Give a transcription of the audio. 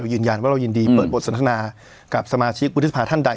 ยืนยันว่าเรายินดีเปิดบทสนทนากับสมาชิกวุฒิสภาท่านใด